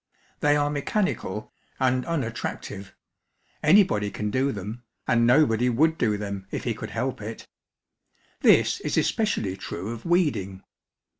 They are mechanical and unattractive ; anybody can do them, and nobody would do them if he could help it This is especially true of weeding.